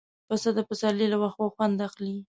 پسه د پسرلي له واښو خوند اخلي.